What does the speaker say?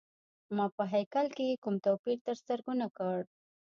ما په هیکل کي یې کوم توپیر تر سترګو نه کړ.